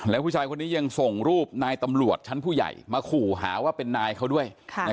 แล้วผู้ชายคนนี้ยังส่งรูปนายตำรวจชั้นผู้ใหญ่มาขู่หาว่าเป็นนายเขาด้วย